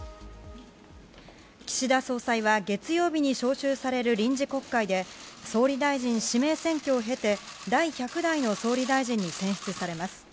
岸田総裁は月曜日に召集される臨時国会で総理大臣指名選挙を経て第１００代の総理大臣に選出されます。